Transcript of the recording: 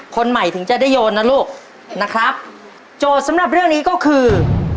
คนใหม่ถึงจะได้โยนนะลูกนะครับโจทย์สำหรับเรื่องนี้ก็คือ